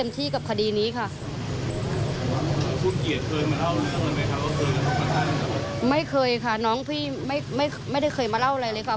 ไม่เคยค่ะน้องพี่ไม่ได้เคยมาเล่าอะไรเลยค่ะ